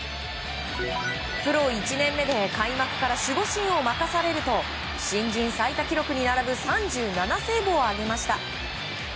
プロ１年目で開幕から守護神を任されると新人最多記録に並ぶ３７セーブを挙げました。